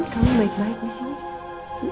kamu baik baik disini